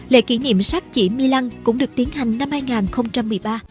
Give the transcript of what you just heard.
lễ kỷ niệm sát chỉ milan cũng được tiến hành năm hai nghìn một mươi ba